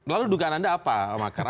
lalu dugaan anda apa makar